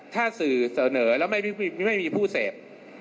ถ้าสื่อเสนอแล้วไม่มีผู้เสพ